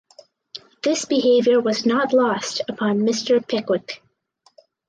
This behaviour was not lost upon Mister Pickwick.